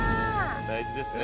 大事ですね。